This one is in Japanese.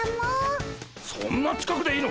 そんな近くでいいのか？